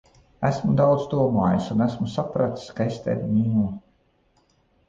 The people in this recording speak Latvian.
Esmu daudz domājis, un esmu sapratis, ka es tevi mīlu.